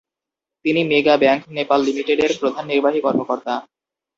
তিনি Mega Bank Nepal লিমিটেডের প্রধান নির্বাহী কর্মকর্তা।